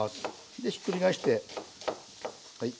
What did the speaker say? でひっくり返してはい。